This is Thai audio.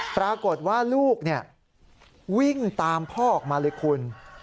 ปรากฏว่าลูกวิ่งตามพ่อออกมาเลยคุณ